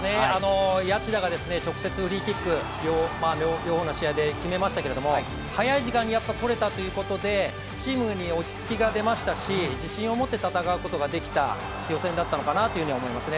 谷内田が直接フリーキック、両方の試合で決めましたけれども早い時間に取れたということで、チームに落ち着きが出ましたし、自信を持って戦うことができた予選だったのかなというふうに思いますね。